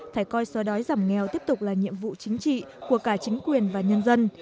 phải coi xóa đói giảm nghèo tiếp tục là nhiệm vụ chính trị của cả chính quyền và nhân dân